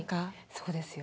そうですよね。